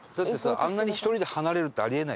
あんなに１人で離れるってあり得ない。